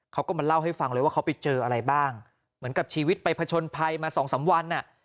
เขาก็มาเล่าให้ฟังเลยว่าเขาไปเจออะไรบ้างเหมือนกับชีวิตไปผจญภัยมาสองสามวันอ่ะ